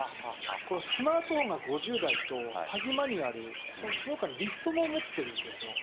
これ、スマートフォンが５０台と詐欺マニュアル、そのほかにもリストも持ってるんですよ。